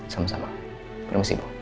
sama sama permisi bu